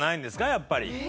やっぱり。